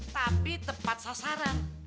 tapi tepat sasaran